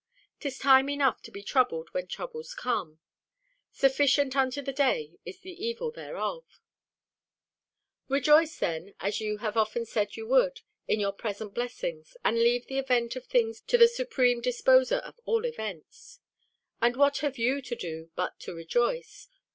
'Tis time enough to be troubled when troubles come "Sufficient unto the day is the evil thereof." Rejoice, then, as you have often said you would, in your present blessings, and leave the event of things to the Supreme Disposer of all events. And what have you to do but to rejoice?